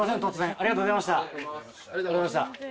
ありがとうございました。ありがと。